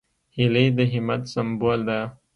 هیلۍ د همت سمبول ده